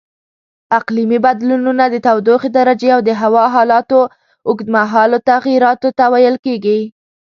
اقلیمي بدلونونه د تودوخې درجې او د هوا حالاتو اوږدمهالو تغییراتو ته ویل کېږي.